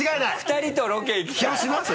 ２人とロケ行きたい。